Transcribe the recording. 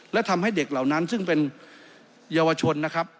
และทำให้เด็กเหล่านั้นซึ่งเป็นเยาวชนนะครับ